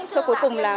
sau cuối cùng là